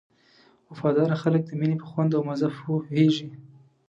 وفاداره خلک د مینې په خوند او مزه پوهېږي.